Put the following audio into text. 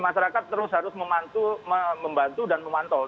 masyarakat terus harus membantu dan memantau